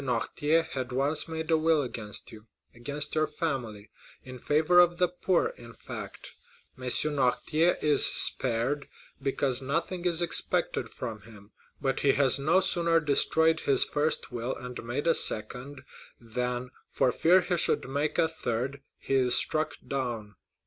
Noirtier had once made a will against you—against your family—in favor of the poor, in fact; M. Noirtier is spared, because nothing is expected from him. But he has no sooner destroyed his first will and made a second, than, for fear he should make a third, he is struck down.